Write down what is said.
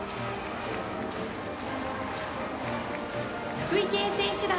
福井県選手団。